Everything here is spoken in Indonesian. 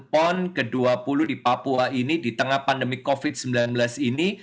bagaimana negara indonesia berhasil di dalam penyelenggaraan pon dua puluh di papua ini di tengah pandemi covid sembilan belas ini